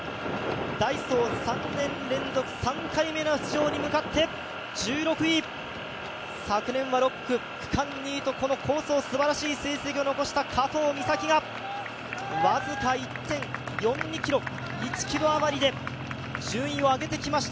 ダイソー、３年連続３回目の出場に向かって１６位、昨年は６区区間２位とすばらしい好成績を残した加藤美咲が僅か１．４２ｋｍ、１ｋｍあまりで順位を上げてきました。